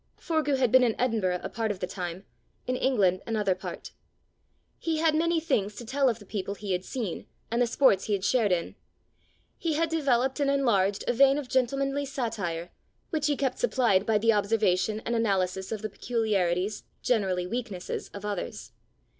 Forgue had been in Edinburgh a part of the time, in England another part. He had many things to tell of the people he had seen, and the sports he had shared in. He had developed and enlarged a vein of gentlemanly satire, which he kept supplied by the observation and analysis of the peculiarities, generally weaknesses, of others.